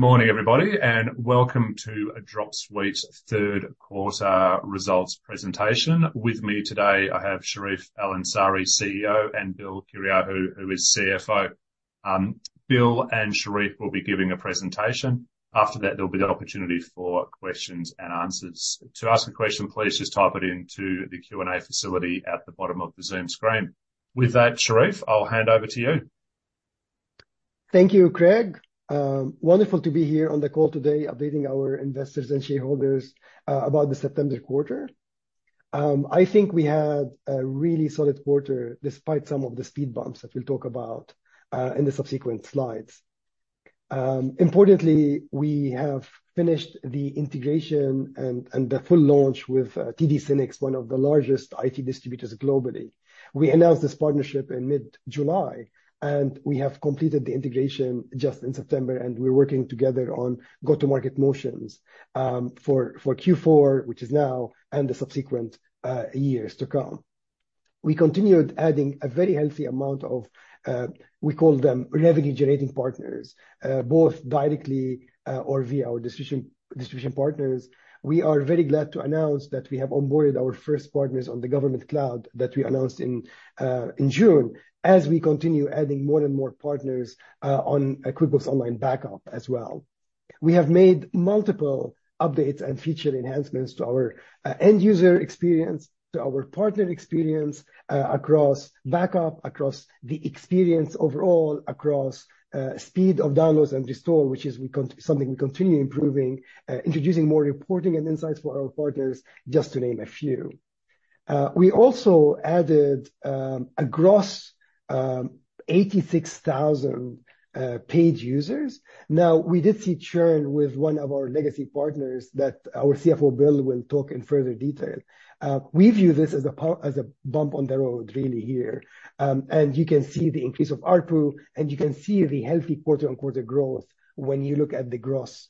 Good morning, everybody, and welcome to Dropsuite's third quarter results presentation. With me today, I have Charif El-Ansari, CEO, and Bill Kyriacou, who is CFO. Bill and Charif will be giving a presentation. After that, there'll be the opportunity for questions and answers. To ask a question, please just type it into the Q&A facility at the bottom of the Zoom screen. With that, Charif, I'll hand over to you. Thank you, Craig. Wonderful to be here on the call today, updating our investors and shareholders about the September quarter. I think we had a really solid quarter, despite some of the speed bumps that we'll talk about in the subsequent slides. Importantly, we have finished the integration and, and the full launch with TD SYNNEX, one of the largest IT distributors globally. We announced this partnership in mid-July, and we have completed the integration just in September, and we're working together on go-to-market motions for, for Q4, which is now, and the subsequent years to come. We continued adding a very healthy amount of we call them revenue-generating partners both directly or via our distribution, distribution partners. We are very glad to announce that we have onboarded our first partners on the government cloud that we announced in June, as we continue adding more and more partners on QuickBooks Online Backup as well. We have made multiple updates and feature enhancements to our end-user experience, to our partner experience, across backup, across the experience overall, across speed of downloads and restore, which is something we continue improving, introducing more reporting and insights for our partners, just to name a few. We also added gross 86,000 paid users. Now, we did see churn with one of our legacy partners that our CFO, Bill, will talk in further detail. We view this as a bump on the road, really here. And you can see the increase of ARPU, and you can see the healthy quarter-on-quarter growth when you look at the gross,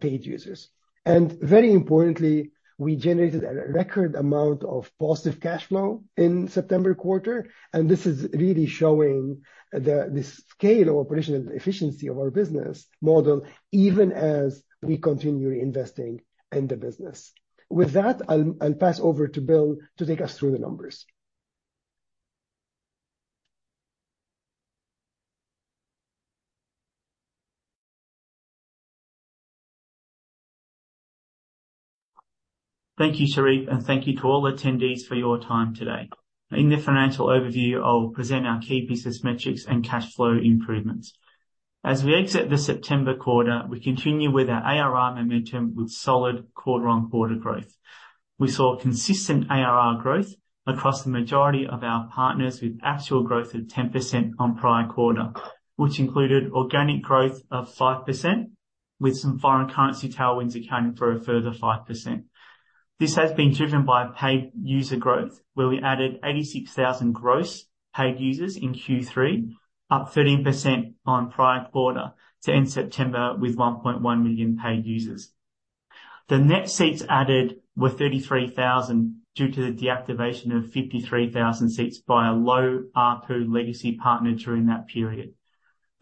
paid users. And very importantly, we generated a record amount of positive cash flow in September quarter, and this is really showing the scale of operational efficiency of our business model, even as we continue investing in the business. With that, I'll pass over to Bill to take us through the numbers. Thank you, Charif, and thank you to all attendees for your time today. In the financial overview, I'll present our key business metrics and cash flow improvements. As we exit the September quarter, we continue with our ARR momentum with solid quarter-on-quarter growth. We saw consistent ARR growth across the majority of our partners, with actual growth of 10% on prior quarter, which included organic growth of 5%, with some foreign currency tailwinds accounting for a further 5%. This has been driven by paid user growth, where we added 86,000 gross paid users in Q3, up 13% on prior quarter, to end September with 1.1 million paid users. The net seats added were 33,000, due to the deactivation of 53,000 seats by a low ARPU legacy partner during that period.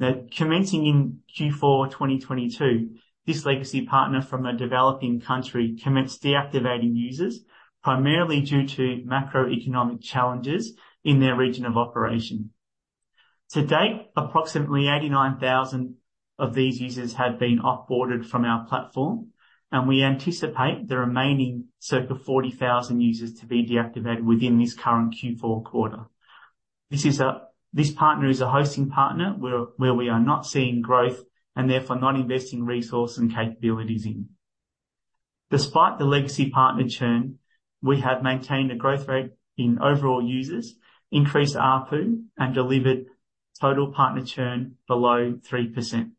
Now, commencing in Q4 2022, this legacy partner from a developing country commenced deactivating users, primarily due to macroeconomic challenges in their region of operation. To date, approximately 89,000 of these users have been off-boarded from our platform, and we anticipate the remaining circa 40,000 users to be deactivated within this current Q4 quarter. This partner is a hosting partner, where we are not seeing growth and therefore not investing resource and capabilities in. Despite the legacy partner churn, we have maintained a growth rate in overall users, increased ARPU, and delivered total partner churn below 3%.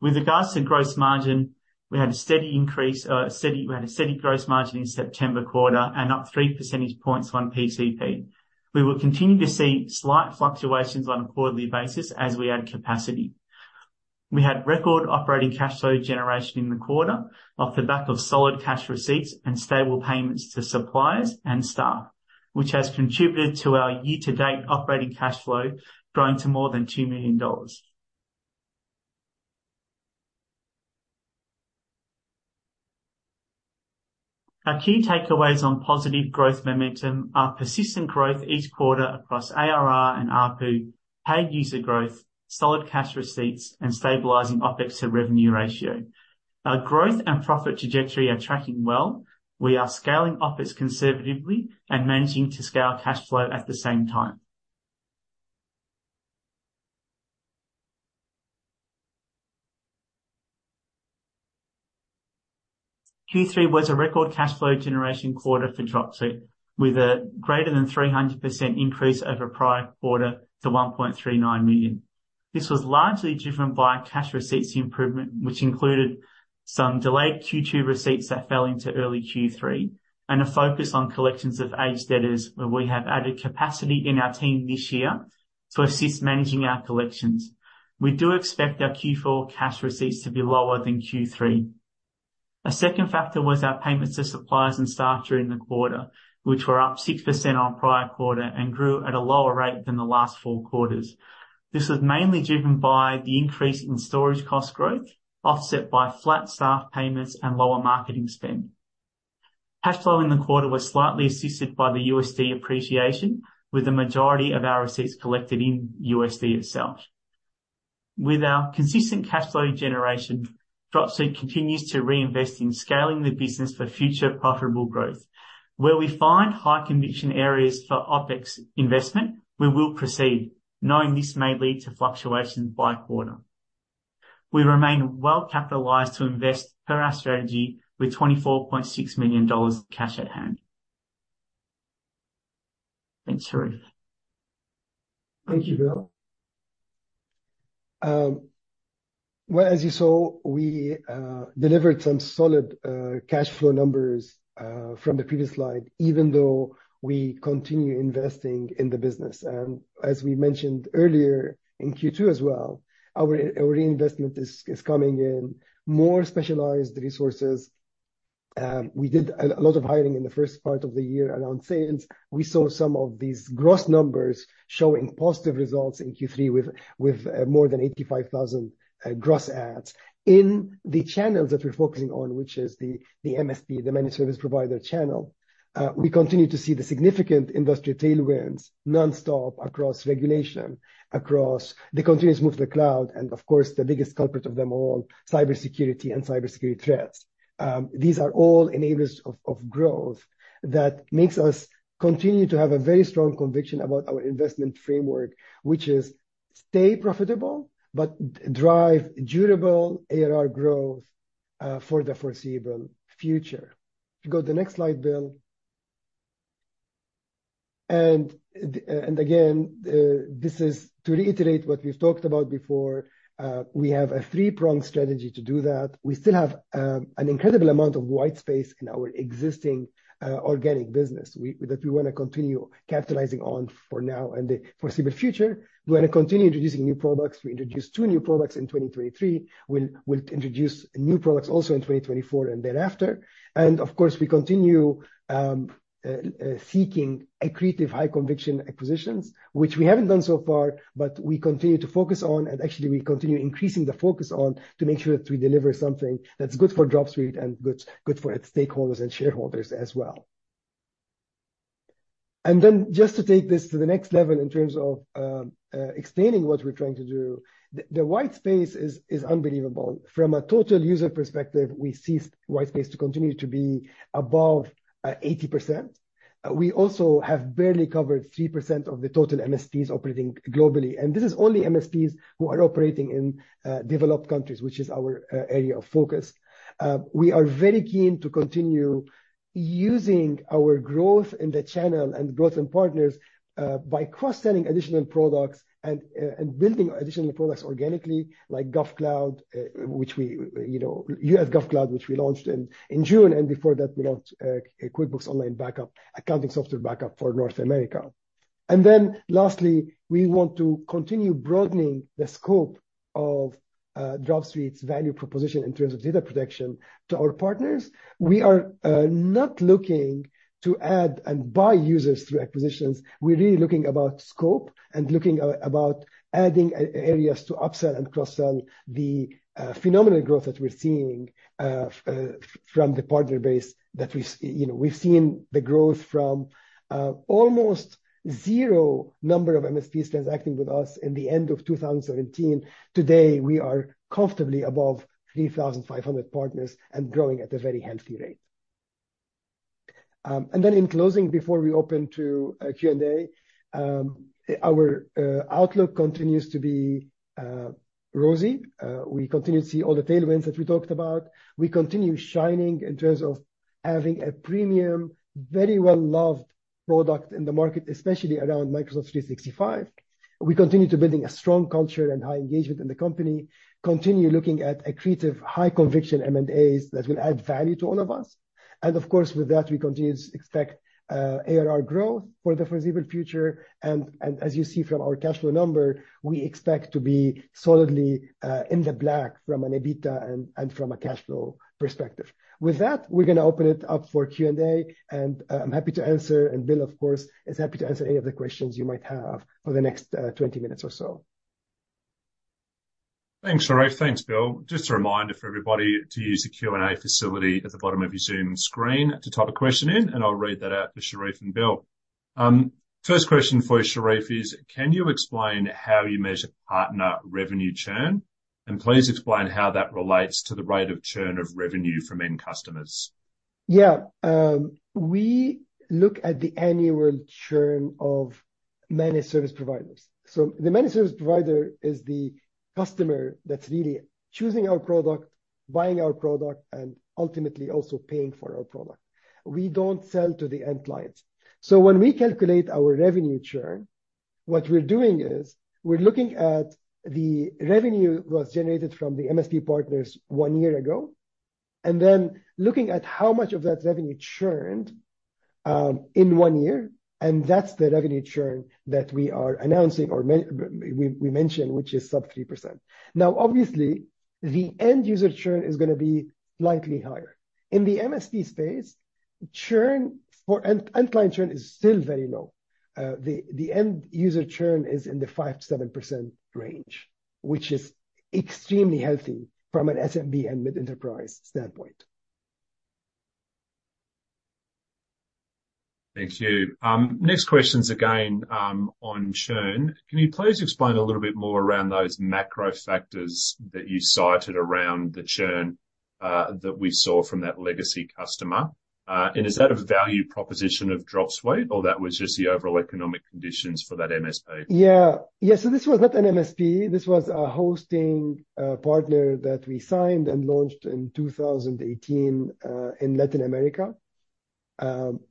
With regards to gross margin, we had a steady gross margin in September quarter and up 3 percentage points on PCP. We will continue to see slight fluctuations on a quarterly basis as we add capacity. We had record operating cash flow generation in the quarter, off the back of solid cash receipts and stable payments to suppliers and staff, which has contributed to our year-to-date operating cash flow growing to more than 2 million dollars. Our key takeaways on positive growth momentum are persistent growth each quarter across ARR and ARPU, paid user growth, solid cash receipts, and stabilizing OpEx to revenue ratio. Our growth and profit trajectory are tracking well. We are scaling OpEx conservatively and managing to scale our cash flow at the same time. Q3 was a record cash flow generation quarter for Dropsuite, with a greater than 300% increase over prior quarter to 1.39 million. This was largely driven by cash receipts improvement, which included some delayed Q2 receipts that fell into early Q3, and a focus on collections of aged debtors, where we have added capacity in our team this year to assist managing our collections. We do expect our Q4 cash receipts to be lower than Q3. A second factor was our payments to suppliers and staff during the quarter, which were up 6% on prior quarter and grew at a lower rate than the last four quarters. This was mainly driven by the increase in storage cost growth, offset by flat staff payments and lower marketing spend. Cash flow in the quarter was slightly assisted by the USD appreciation, with the majority of our receipts collected in USD itself. With our consistent cash flow generation, Dropsuite continues to reinvest in scaling the business for future profitable growth. Where we find high conviction areas for OpEx investment, we will proceed, knowing this may lead to fluctuations by quarter. We remain well-capitalized to invest per our strategy with 24.6 million dollars cash at hand. Thanks, Charif. Thank you, Bill. Well, as you saw, we delivered some solid cash flow numbers from the previous slide, even though we continue investing in the business. As we mentioned earlier in Q2 as well, our reinvestment is coming in more specialized resources. We did a lot of hiring in the first part of the year around sales. We saw some of these gross numbers showing positive results in Q3 with more than 85,000 gross adds. In the channels that we're focusing on, which is the MSP, the managed service provider channel, we continue to see the significant industry tailwinds nonstop across regulation, across the continuous move to the cloud, and of course, the biggest culprit of them all, cybersecurity and cybersecurity threats. These are all enablers of growth that makes us continue to have a very strong conviction about our investment framework, which is stay profitable, but drive durable ARR growth for the foreseeable future. If you go to the next slide, Bill. And again, this is to reiterate what we've talked about before, we have a three-pronged strategy to do that. We still have an incredible amount of white space in our existing organic business that we wanna continue capitalizing on for now and the foreseeable future. We wanna continue introducing new products. We introduced two new products in 2023. We'll introduce new products also in 2024 and thereafter. And of course, we continue seeking accretive high conviction acquisitions, which we haven't done so far, but we continue to focus on, and actually we continue increasing the focus on, to make sure that we deliver something that's good for Dropsuite and good, good for its stakeholders and shareholders as well. And then just to take this to the next level in terms of explaining what we're trying to do, the white space is unbelievable. From a total user perspective, we see white space to continue to be above 80%. We also have barely covered 3% of the total MSPs operating globally, and this is only MSPs who are operating in developed countries, which is our area of focus. We are very keen to continue using our growth in the channel and growth in partners by cross-selling additional products and building additional products organically, like GovCloud, which we, you know, U.S. GovCloud, which we launched in June, and before that, we launched QuickBooks Online Backup, accounting software backup for North America. And then lastly, we want to continue broadening the scope of Dropsuite's value proposition in terms of data protection to our partners. We are not looking to add and buy users through acquisitions. We're really looking about scope and looking about adding areas to upsell and cross-sell the phenomenal growth that we're seeing from the partner base, that we... You know, we've seen the growth from almost zero number of MSPs transacting with us in the end of 2017. Today, we are comfortably above 3,500 partners and growing at a very healthy rate. And then in closing, before we open to Q&A, our outlook continues to be rosy. We continue to see all the tailwinds that we talked about. We continue shining in terms of having a premium, very well-loved product in the market, especially around Microsoft 365. We continue to building a strong culture and high engagement in the company, continue looking at accretive high conviction M&As that will add value to all of us. And of course, with that, we continue to expect ARR growth for the foreseeable future, and as you see from our cash flow number, we expect to be solidly in the black from an EBITDA and from a cash flow perspective. With that, we're gonna open it up for Q&A, and I'm happy to answer, and Bill, of course, is happy to answer any of the questions you might have for the next 20 minutes or so. Thanks, Charif. Thanks, Bill. Just a reminder for everybody to use the Q&A facility at the bottom of your Zoom screen to type a question in, and I'll read that out to Charif and Bill. First question for you, Charif, is: Can you explain how you measure partner revenue churn? And please explain how that relates to the rate of churn of revenue from end customers. Yeah. We look at the annual churn of managed service providers. So the managed service provider is the customer that's really choosing our product, buying our product, and ultimately also paying for our product. We don't sell to the end clients. So when we calculate our revenue churn, what we're doing is we're looking at the revenue that was generated from the MSP partners one year ago, and then looking at how much of that revenue churned in one year, and that's the revenue churn that we are announcing or we mentioned, which is sub 3%. Now, obviously, the end user churn is gonna be slightly higher. In the MSP space, churn for end client churn is still very low. The end user churn is in the 5%-7% range, which is extremely healthy from an SMB and mid-enterprise standpoint. Thank you. Next question's again on churn. Can you please explain a little bit more around those macro factors that you cited around the churn that we saw from that legacy customer? And is that a value proposition of Dropsuite, or that was just the overall economic conditions for that MSP? Yeah. Yeah, so this was not an MSP. This was a hosting partner that we signed and launched in 2018 in Latin America.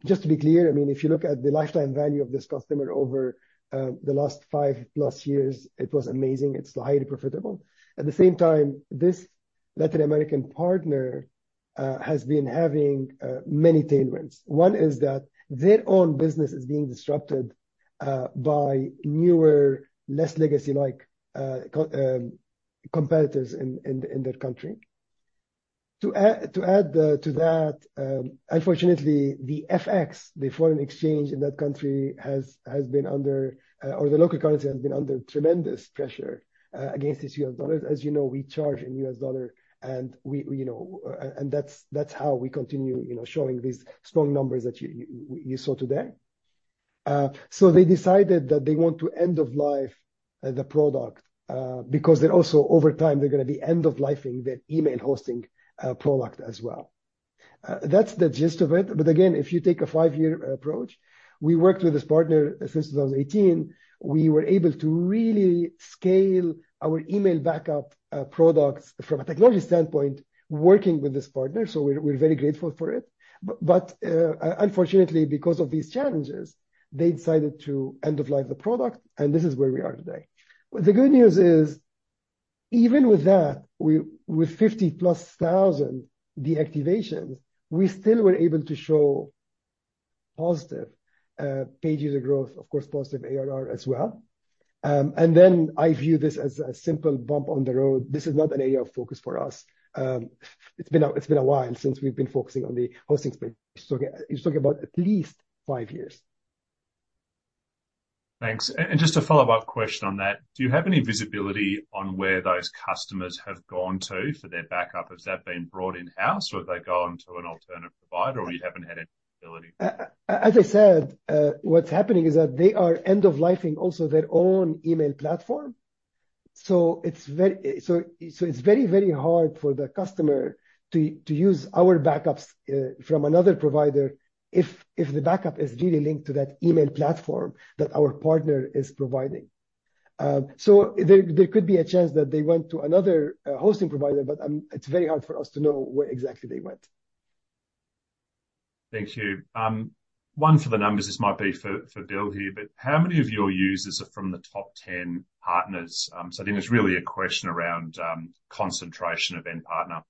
Just to be clear, I mean, if you look at the lifetime value of this customer over the last five-plus years, it was amazing. It's highly profitable. At the same time, this Latin American partner has been having many tailwinds. One is that their own business is being disrupted by newer, less legacy-like competitors in their country. To add to that, unfortunately, the FX, the foreign exchange in that country has been under or the local currency has been under tremendous pressure against the U.S. dollar. As you know, we charge in U.S. dollar, and we, you know, and that's, that's how we continue, you know, showing these strong numbers that you, you, you saw today. So they decided that they want to end of life the product, because they're also, over time, they're gonna be end-of-life-ing their email hosting product as well. That's the gist of it. But again, if you take a five-year approach, we worked with this partner since 2018. We were able to really scale our email backup products from a technology standpoint, working with this partner, so we're, we're very grateful for it. But, but, unfortunately, because of these challenges, they decided to end of life the product, and this is where we are today. The good news is, even with that, we, with 50,000+ deactivations, we still were able to show positive paid user growth, of course, positive ARR as well. And then I view this as a simple bump on the road. This is not an area of focus for us. It's been a while since we've been focusing on the hosting space. It's talking about at least five years. Thanks. And just a follow-up question on that: Do you have any visibility on where those customers have gone to for their backup? Has that been brought in-house, or have they gone to an alternate provider, or you haven't had any visibility? As I said, what's happening is that they are end-of-life-ing also their own email platform. So it's very, so it's very, very hard for the customer to use our backups from another provider if the backup is really linked to that email platform that our partner is providing. So there could be a chance that they went to another hosting provider, but it's very hard for us to know where exactly they went. Thank you. One for the numbers, this might be for, for Bill here, but how many of your users are from the top 10 partners? So I think it's really a question around, concentration of end partner.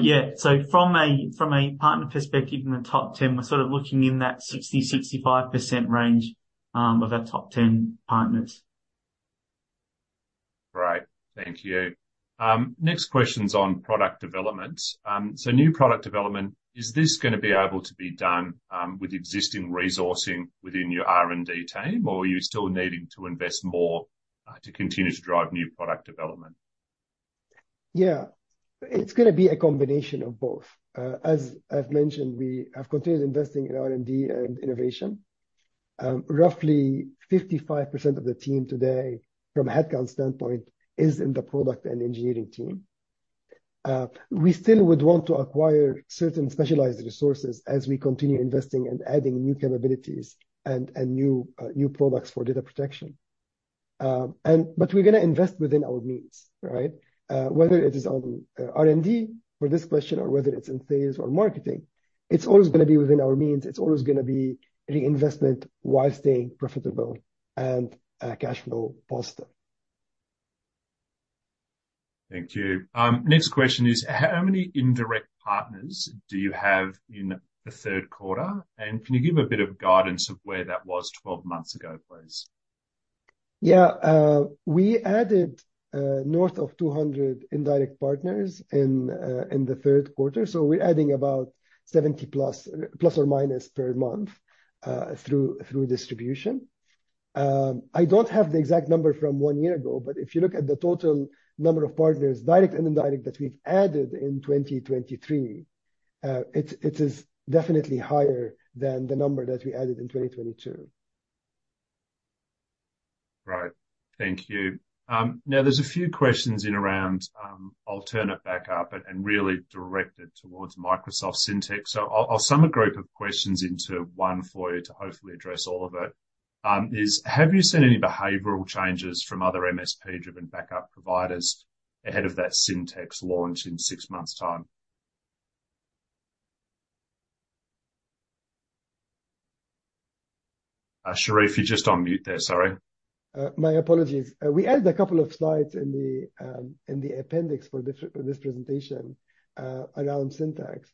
Yeah. So from a partner perspective, in the top ten, we're sort of looking in that 60%-65% range of our top ten partners. Great. Thank you. Next question's on product development. So new product development, is this gonna be able to be done with existing resourcing within your R&D team, or are you still needing to invest more to continue to drive new product development? Yeah. It's gonna be a combination of both. As I've mentioned, we have continued investing in R&D and innovation. Roughly 55% of the team today, from a headcount standpoint, is in the product and engineering team. We still would want to acquire certain specialized resources as we continue investing and adding new capabilities and new products for data protection. But we're gonna invest within our means, right? Whether it is on R&D for this question or whether it's in sales or marketing, it's always gonna be within our means. It's always gonna be reinvestment while staying profitable and cash flow positive. Thank you. Next question is, how many indirect partners do you have in the third quarter? And can you give a bit of guidance of where that was 12 months ago, please? Yeah, we added north of 200 indirect partners in the third quarter, so we're adding about 70+, plus or minus per month through distribution. I don't have the exact number from one year ago, but if you look at the total number of partners, direct and indirect, that we've added in 2023, it is definitely higher than the number that we added in 2022. Right. Thank you. Now there's a few questions in around alternate backup and really directed towards Microsoft Syntex. So I'll sum a group of questions into one for you to hopefully address all of it. Have you seen any behavioral changes from other MSP-driven backup providers ahead of that Syntex launch in six months' time? Charif, you're just on mute there. Sorry. My apologies. We added a couple of slides in the appendix for this presentation around Syntex.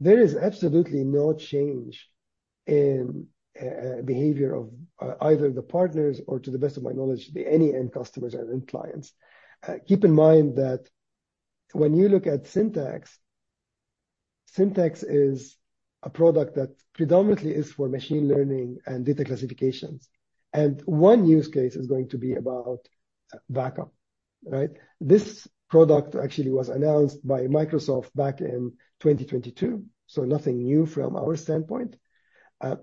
There is absolutely no change in behavior of either the partners or, to the best of my knowledge, any end customers and end clients. Keep in mind that when you look at Syntex, Syntex is a product that predominantly is for machine learning and data classifications, and one use case is going to be about backup, right? This product actually was announced by Microsoft back in 2022, so nothing new from our standpoint.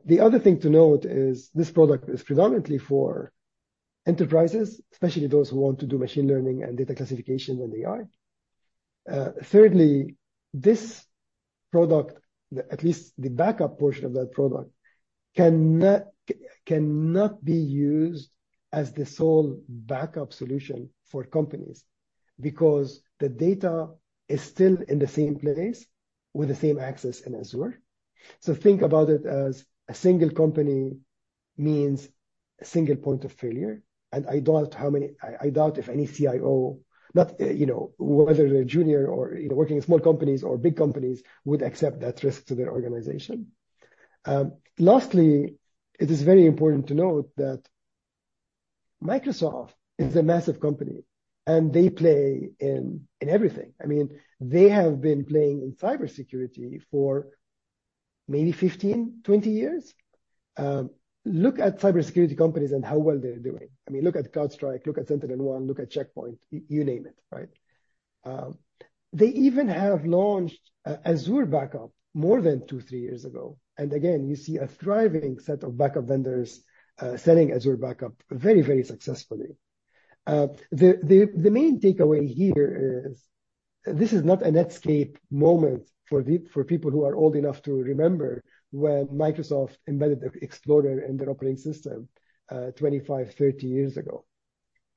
The other thing to note is this product is predominantly for enterprises, especially those who want to do machine learning and data classification in AI. Thirdly, this product, at least the backup portion of that product, cannot be used as the sole backup solution for companies because the data is still in the same place with the same access in Azure. So think about it as a single company means a single point of failure, and I doubt if any CIO, you know, whether they're junior or, you know, working in small companies or big companies, would accept that risk to their organization. Lastly, it is very important to note that Microsoft is a massive company, and they play in everything. I mean, they have been playing in cybersecurity for maybe 15, 20 years. Look at cybersecurity companies and how well they're doing. I mean, look at CrowdStrike, look at SentinelOne, look at Check Point. You name it, right? They even have launched Azure Backup more than two to three years ago, and again, you see a thriving set of backup vendors selling Azure Backup very, very successfully. The main takeaway here is this is not a Netscape moment for people who are old enough to remember when Microsoft embedded their Explorer in their operating system 25-30 years ago.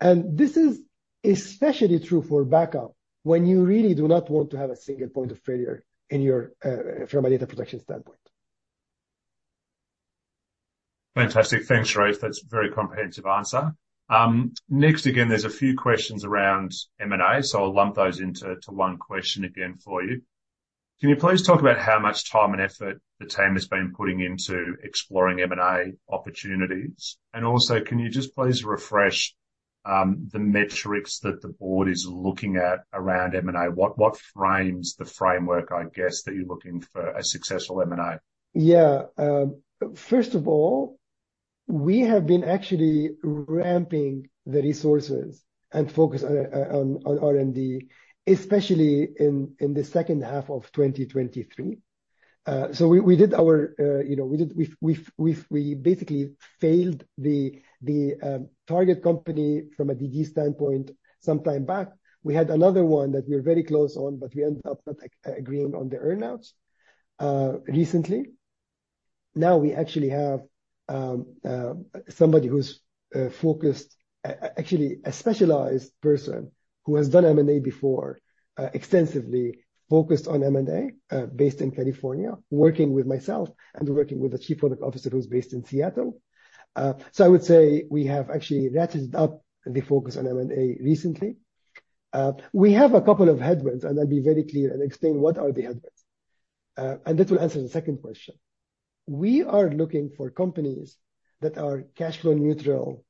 And this is especially true for backup, when you really do not want to have a single point of failure in your from a data protection standpoint. Fantastic. Thanks, Charif. That's a very comprehensive answer. Next, again, there's a few questions around M&A, so I'll lump those into one question again for you. Can you please talk about how much time and effort the team has been putting into exploring M&A opportunities? And also, can you just please refresh the metrics that the board is looking at around M&A? What frames the framework, I guess, that you're looking for a successful M&A? Yeah. First of all, we have been actually ramping the resources and focus on R&D, especially in the second half of 2023. So we did our, you know, we did. We've basically failed the target company from a DD standpoint sometime back. We had another one that we were very close on, but we ended up not agreeing on the earn-outs recently. Now we actually have somebody who's focused, actually a specialized person who has done M&A before, extensively focused on M&A, based in California, working with myself and working with the Chief Product Officer, who's based in Seattle. So I would say we have actually ratcheted up the focus on M&A recently. We have a couple of headwinds, and I'll be very clear and explain what are the headwinds. That will answer the second question. We are looking for companies that are cash flow neutral,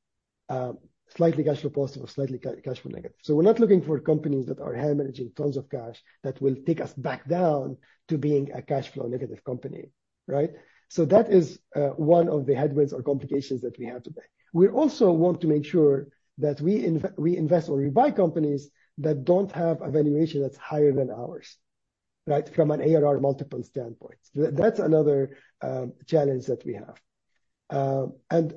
slightly cash flow positive or slightly cash flow negative. So we're not looking for companies that are managing tons of cash, that will take us back down to being a cash flow negative company, right? So that is one of the headwinds or complications that we have today. We also want to make sure that we invest or we buy companies that don't have a valuation that's higher than ours, right? From an ARR multiple standpoint. That's another challenge that we have. And,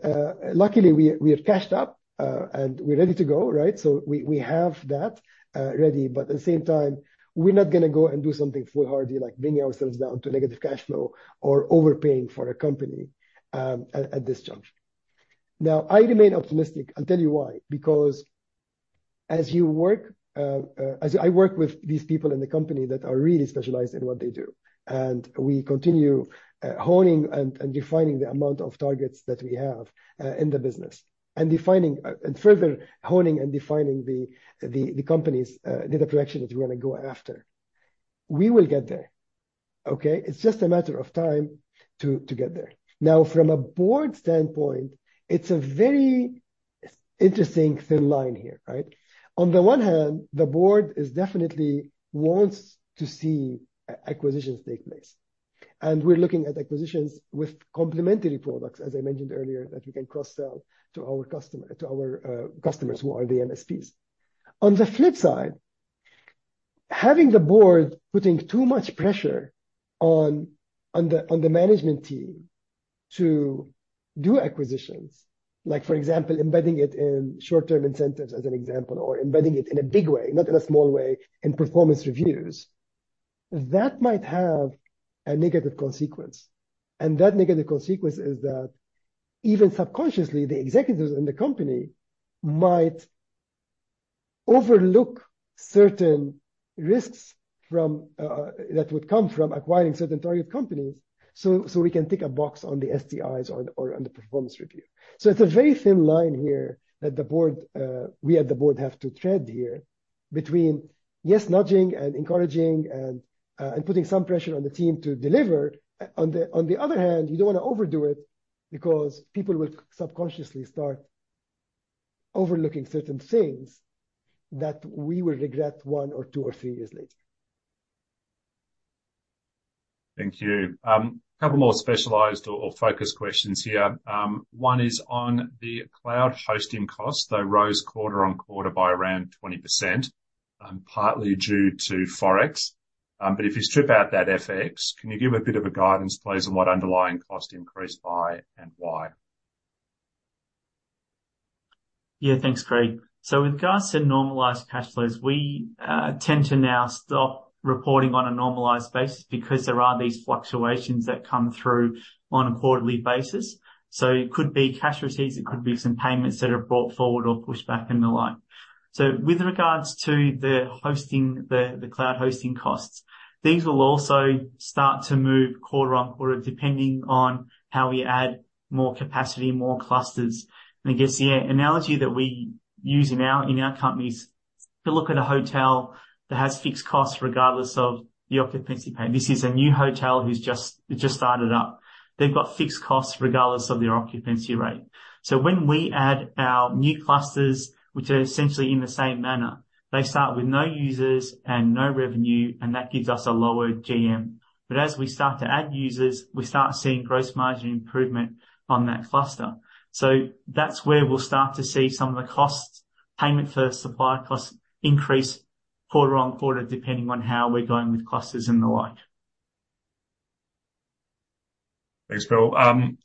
luckily, we are cashed up, and we're ready to go, right? So we have that ready, but at the same time, we're not gonna go and do something foolhardy, like bringing ourselves down to negative cash flow or overpaying for a company at this juncture. Now, I remain optimistic. I'll tell you why. Because as I work with these people in the company that are really specialized in what they do, and we continue honing and defining the amount of targets that we have in the business, and further honing and defining the company's data protection that we're gonna go after, we will get there. Okay? It's just a matter of time to get there. Now, from a board standpoint, it's a very interesting thin line here, right? On the one hand, the board definitely wants to see acquisitions take place, and we're looking at acquisitions with complementary products, as I mentioned earlier, that we can cross-sell to our customer, to our customers, who are the MSPs. On the flip side, having the board putting too much pressure on the management team to do acquisitions, like, for example, embedding it in short-term incentives as an example, or embedding it in a big way, not in a small way, in performance reviews, that might have a negative consequence. That negative consequence is that even subconsciously, the executives in the company might overlook certain risks from that would come from acquiring certain target companies, so we can tick a box on the STIs or on the performance review. So it's a very thin line here that the board, we at the board have to tread here between, yes, nudging and encouraging and, and putting some pressure on the team to deliver. On the other hand, you don't want to overdo it because people will subconsciously start overlooking certain things that we will regret one or two or three years later. Thank you. A couple more specialized or focused questions here. One is on the cloud hosting costs. They rose quarter-on-quarter by around 20%, partly due to Forex. But if you strip out that FX, can you give a bit of a guidance, please, on what underlying cost increased by and why? Yeah, thanks, Craig. So with regards to normalized cash flows, we tend to now stop reporting on a normalized basis because there are these fluctuations that come through on a quarterly basis. So it could be cash receipts, it could be some payments that are brought forward or pushed back and the like. So with regards to the hosting, the cloud hosting costs, things will also start to move quarter-over-quarter, depending on how we add more capacity, more clusters. And I guess the analogy that we use in our company is, if you look at a hotel that has fixed costs regardless of the occupancy rate. This is a new hotel who's just started up. They've got fixed costs regardless of their occupancy rate. So when we add our new clusters, which are essentially in the same manner, they start with no users and no revenue, and that gives us a lower GM. But as we start to add users, we start seeing gross margin improvement on that cluster. So that's where we'll start to see some of the costs, payment for supply costs increase quarter-over-quarter, depending on how we're going with clusters and the like. Thanks, Bill.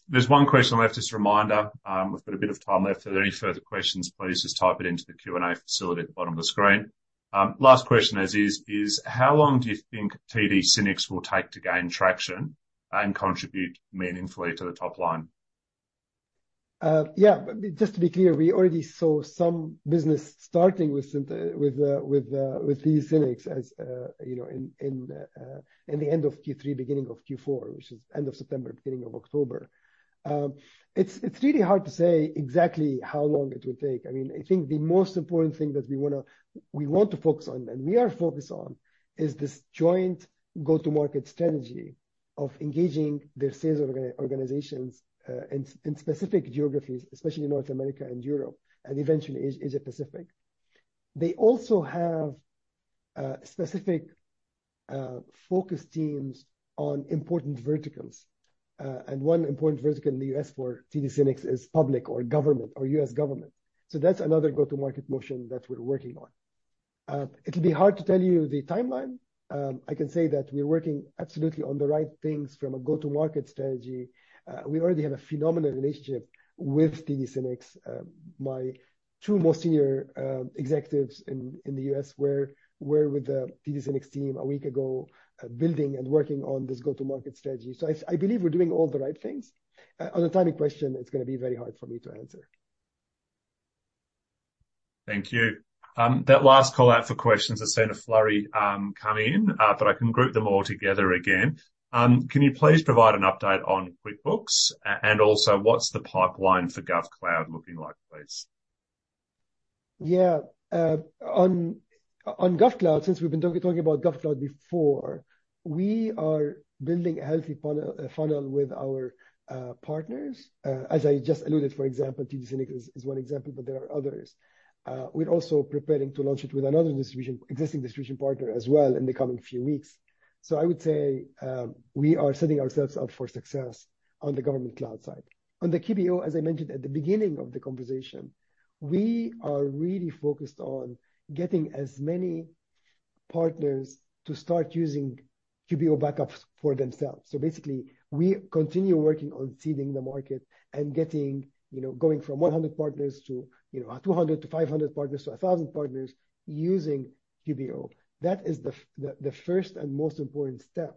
There's one question left. Just a reminder, we've got a bit of time left. Are there any further questions? Please just type it into the Q&A facility at the bottom of the screen. Last question as is, is how long do you think TD SYNNEX will take to gain traction and contribute meaningfully to the top line? Yeah, but just to be clear, we already saw some business starting with TD SYNNEX, as you know, in the end of Q3, beginning of Q4, which is end of September, beginning of October. It's really hard to say exactly how long it will take. I mean, I think the most important thing that we wanna focus on, and we are focused on, is this joint go-to-market strategy of engaging their sales organizations in specific geographies, especially North America and Europe, and eventually Asia Pacific. They also have specific focus teams on important verticals, and one important vertical in the U.S. for TD SYNNEX is public or government or U.S. government. So that's another go-to-market motion that we're working on. It'll be hard to tell you the timeline. I can say that we're working absolutely on the right things from a go-to-market strategy. We already have a phenomenal relationship with TD SYNNEX. My two most senior executives in the U.S. were with the TD SYNNEX team a week ago, building and working on this go-to-market strategy. So I believe we're doing all the right things. On the timing question, it's gonna be very hard for me to answer. Thank you. That last call-out for questions has seen a flurry come in, but I can group them all together again. Can you please provide an update on QuickBooks? And also, what's the pipeline for GovCloud looking like, please? Yeah. On GovCloud, since we've been talking about GovCloud before, we are building a healthy funnel with our partners. As I just alluded, for example, TD SYNNEX is one example, but there are others. We're also preparing to launch it with another existing distribution partner as well in the coming few weeks. So I would say we are setting ourselves up for success on the government cloud side. On the QBO, as I mentioned at the beginning of the conversation, we are really focused on getting as many partners to start using QBO backups for themselves. So basically, we continue working on seeding the market and getting, you know, going from 100 partners to, you know, 200 to 500 partners to 1,000 partners using QBO. That is the first and most important step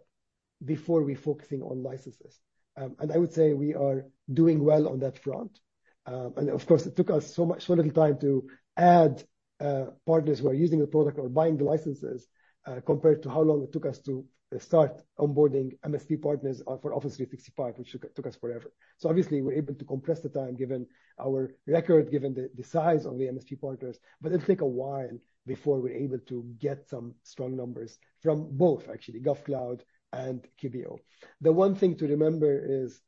before we focusing on licenses. And I would say we are doing well on that front. And of course, it took us so much, so little time to add partners who are using the product or buying the licenses, compared to how long it took us to start onboarding MSP partners for Office 365, which took us forever. So obviously, we're able to compress the time, given our record, given the size of the MSP partners, but it'll take a while before we're able to get some strong numbers from both actually, GovCloud and QBO. The one thing to remember is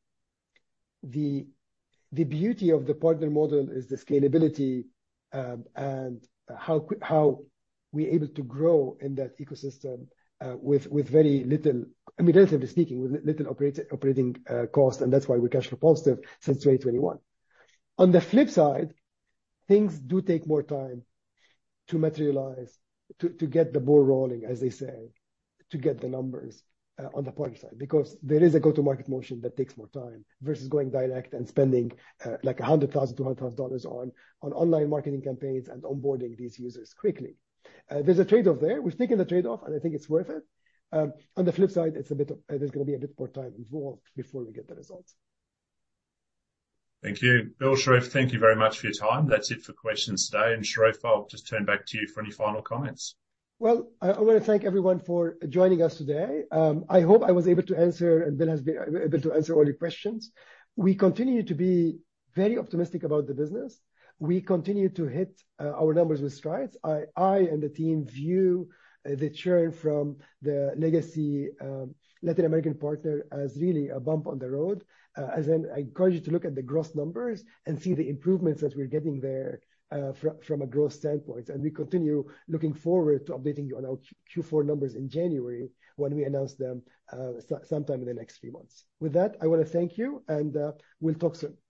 the beauty of the partner model is the scalability, and how we're able to grow in that ecosystem, with very little, I mean, relatively speaking, with little operating costs, and that's why we're cash flow positive since 2021. On the flip side, things do take more time to materialize, to get the ball rolling, as they say, to get the numbers on the partner side, because there is a go-to-market motion that takes more time versus going direct and spending, like 100,000, 200,000 dollars on online marketing campaigns and onboarding these users quickly. There's a trade-off there. We've taken the trade-off, and I think it's worth it. On the flip side, it's a bit of... There's gonna be a bit more time involved before we get the results. Thank you. Bill, Charif, thank you very much for your time. That's it for questions today. Charif, I'll just turn back to you for any final comments. Well, I want to thank everyone for joining us today. I hope I was able to answer, and Bill has been able to answer all your questions. We continue to be very optimistic about the business. We continue to hit our numbers with strides. I and the team view the churn from the legacy Latin American partner as really a bump on the road. As in, I encourage you to look at the gross numbers and see the improvements that we're getting there from a growth standpoint. We continue looking forward to updating you on our Q4 numbers in January, when we announce them sometime in the next few months. With that, I want to thank you, and we'll talk soon.